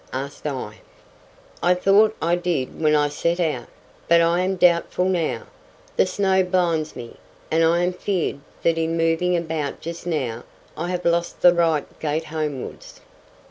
asked I. "I thought I did when I set out, but I am doubtful now. The snow blinds me, and I am feared that in moving about just now, I have lost the right gait homewards."